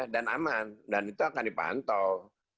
dan aman dan itu akan dipantau